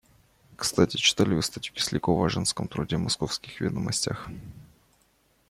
Кстати читали вы статью Кислякова о женском труде в "Московских ведомостях"?